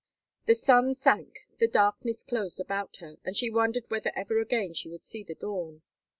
The sun sank, the darkness closed about her, and she wondered whether ever again she would see the dawn.